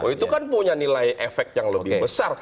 itu kan punya nilai efek yang lebih besar